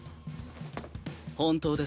本当ですか？